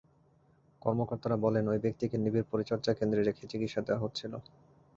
কর্মকর্তারা বলেন, ওই ব্যক্তিকে নিবিড় পরিচর্যা কেন্দ্রে রেখে চিকিৎসা দেওয়া হচ্ছিল।